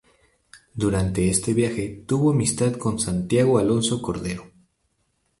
Durante este viaje tuvo amistad con Santiago Alonso Cordero.